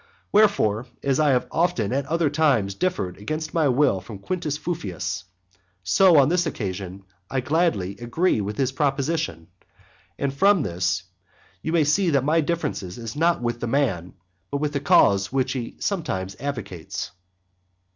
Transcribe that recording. Wherefore, as I have often at other times differed against my will from Quintus Fufius, so on this occasion I gladly agree with his proposition. And from this you may see that my difference is not with the man, but with the cause which he sometimes advocates.